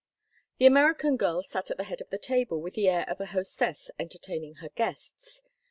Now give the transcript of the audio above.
The American girl sat at the head of the table with the air of a hostess entertaining her guests.